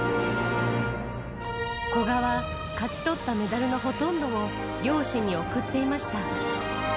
古賀は、勝ち取ったメダルのほとんどを両親に送っていました。